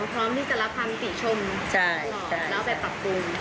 พร้อมที่จะรับคำติชมแล้วไปปรับปรุง